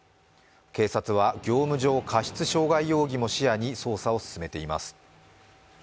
警察は業務上過失傷害容疑も視野に捜査を進めています。